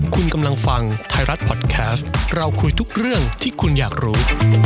คุณกำลังฟังไทยรัฐพอดแคสต์เราคุยทุกเรื่องที่คุณอยากรู้